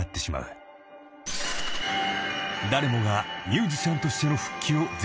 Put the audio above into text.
［誰もがミュージシャンとしての復帰を絶望視するなか］